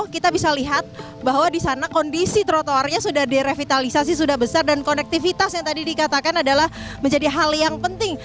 kita bisa lihat bahwa di sana kondisi trotoarnya sudah direvitalisasi sudah besar dan konektivitas yang tadi dikatakan adalah menjadi hal yang penting